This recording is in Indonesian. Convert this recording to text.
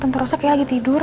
tante rosa kayak lagi tidur